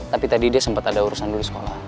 tapi tadi dia sempat ada urusan dulu di sekolah